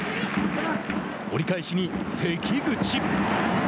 折り返しに関口。